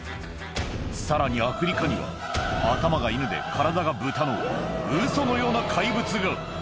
さらに、アフリカには、頭がイヌで、体がブタのウソのような怪物が。